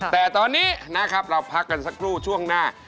แต่ตอนนี้นะครับเราพักกันสักครู่ช่วงหน้า